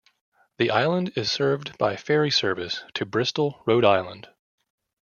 The island is served by ferry service to Bristol, Rhode Island.